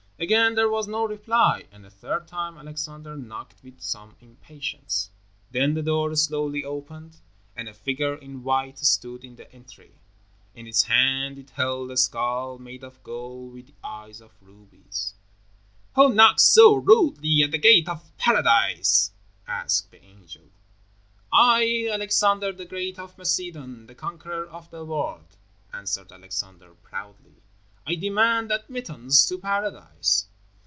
Again there was no reply, and a third time Alexander knocked with some impatience. Then the door slowly opened, and a figure in white stood in the entry. In its hand it held a skull, made of gold, with eyes of rubies. "Who knocks so rudely at the Gate of Paradise?" asked the angel. "I, Alexander, the Great, of Macedon, the conqueror of the world," answered Alexander, proudly. "I demand admittance to Paradise."